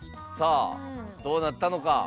さあどうなったのか。